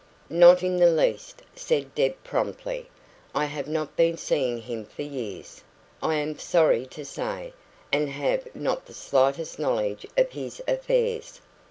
"Not in the least," said Deb promptly. "I have not been seeing him for years, I am sorry to say, and have not the slightest knowledge of his affairs."